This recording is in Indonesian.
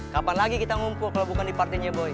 kapan lagi kita ngumpul kalau bukan di partainya boy